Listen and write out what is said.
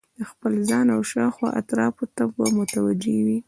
د خپل ځان او شاوخوا اطرافو ته به متوجه وي